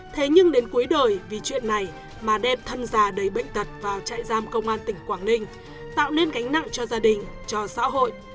thế nhưng đến cuối đời vì chuyện này mà đem thân già đầy bệnh tật vào trại giam công an tỉnh quảng ninh tạo nên gánh nặng cho gia đình cho xã hội